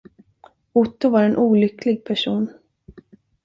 Otto var en olycklig person.